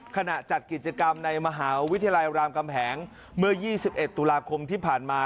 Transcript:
จัดกิจกรรมในมหาวิทยาลัยรามกำแหงเมื่อ๒๑ตุลาคมที่ผ่านมา